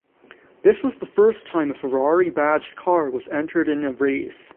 This was the first time a Ferrari-badged car was entered in a race.